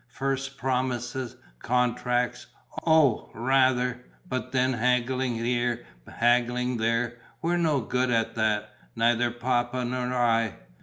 First promises, contracts: oh, rather! But then haggling here, haggling there. We're no good at that: neither Papa nor I.